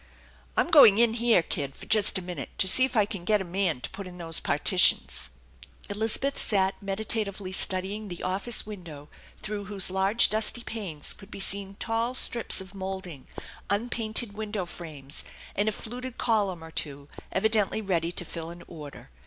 " I'm going in here, kid, for just a minute, to see if I caa get a man to put in those partitions." Elizabeth sat meditatively studying the office window through whose large dusty panes could be seen tall strips of THE ENCHANTED BARN 87 moulding, unpainted window frames, and a fluted column or two, evidently ready to fill an order.